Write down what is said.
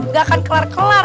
gak akan kelar kelar